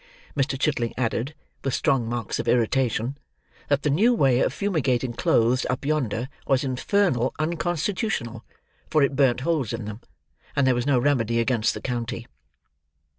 Mr. Chitling added, with strong marks of irritation, that the new way of fumigating clothes up yonder was infernal unconstitutional, for it burnt holes in them, and there was no remedy against the County.